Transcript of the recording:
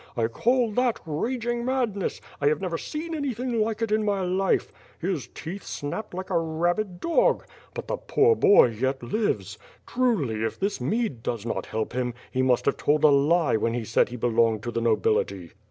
I call that ra/rin;r madness! 1 have never seen anything like it in my life. 11 is teelh snapi>ed like a rabid dog. But the poor boy yet lives. Truly if this mead does not help him, he must have told a lie when he said he l>elonged to the nobility."